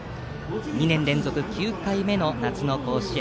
２年連続９回目の夏の甲子園。